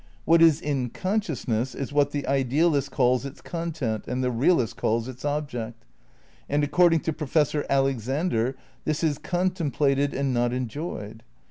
What is in consciousness is what the idealist calls its content and the realist calls its object ; and accord ing to Professor Alexander this is contemplated and not enjoyed.